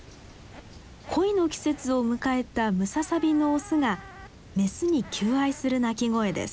恋の季節を迎えたムササビのオスがメスに求愛する鳴き声です。